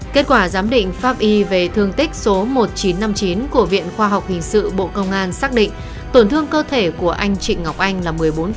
kết quả giám định pháp y về thương tích số một nghìn chín trăm năm mươi chín của viện khoa học hình sự bộ công an xác định tổn thương cơ thể của anh trịnh ngọc anh là một mươi bốn